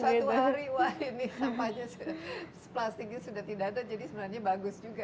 sampah tahu satu hari wah ini sampahnya plastiknya sudah tidak ada jadi sebenarnya bagus juga ya